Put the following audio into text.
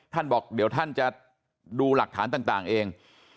บอกเดี๋ยวท่านจะดูหลักฐานต่างเอง